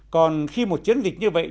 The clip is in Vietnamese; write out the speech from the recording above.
còn khi một chiến dịch như vậy